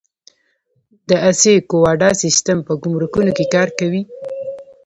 د اسیکوډا سیستم په ګمرکونو کې کار کوي؟